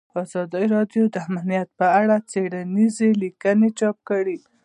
ازادي راډیو د امنیت په اړه څېړنیزې لیکنې چاپ کړي.